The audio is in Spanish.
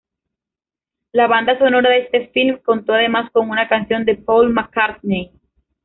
La banda sonora de este film contó además con una canción de Paul Mccartney.